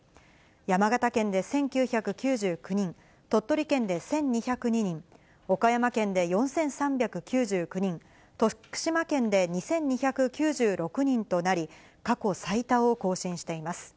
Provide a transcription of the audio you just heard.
山形県で１９９９人、鳥取県で１２０２人、岡山県で４３９９人、徳島県で２２９６人となり、過去最多を更新しています。